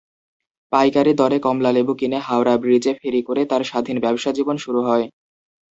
পাইকারি দরে কমলালেবু কিনে হাওড়া ব্রিজে ফেরি করে তাঁর স্বাধীন ব্যবসাজীবন শুরু হয়।